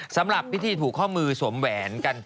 สำหรับปกปะของผิดถูกข้อมือสวมแหวนก็